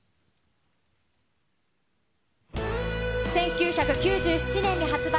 １９９７年に発売。